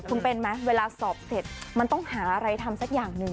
คุณเป็นไหมเวลาสอบเสร็จมันต้องหาอะไรทำสักอย่างหนึ่ง